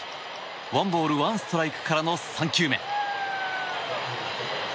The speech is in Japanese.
ワンボールワンストライクからの３球目。